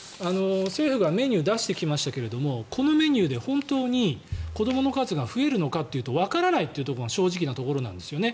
政府がメニューを出してきましたけどこのメニューで本当に子どもの数が増えるのかというとわからないというのが正直なところなんですよね。